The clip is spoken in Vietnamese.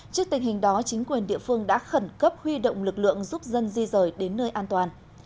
trước tình hình đó chính quyền địa phương đã khẩn cấp huy động lực lượng giúp dân di rời đến nơi an toàn